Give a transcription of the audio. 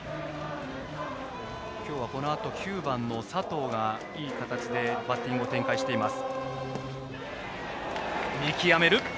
今日はこのあと９番の佐藤がいい形でバッティングを展開しています。